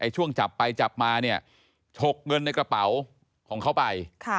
ช่วงจับไปจับมาเนี่ยฉกเงินในกระเป๋าของเขาไป